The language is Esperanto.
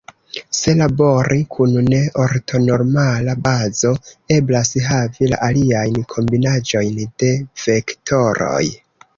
Se labori kun ne-ortonormala bazo, eblas havi la aliajn kombinaĵojn de vektoroj.